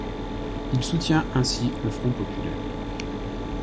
Il soutient ainsi le Front populaire.